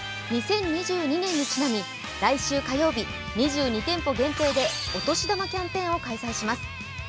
２０２２年にちなみ、来週火曜日２２店舗限定でお年玉キャンペーンを開催します。